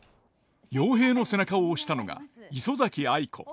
陽平の背中を押したのが磯崎藍子。